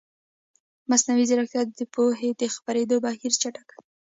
مصنوعي ځیرکتیا د پوهې د خپرېدو بهیر چټکوي.